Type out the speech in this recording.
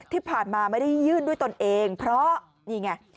ที่ผ่านมาไม่ได้ยื่นด้วยตนเองเพราะนี่ไง